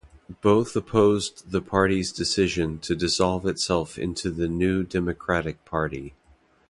Both opposed the party's decision to dissolve itself into the New Democratic Party.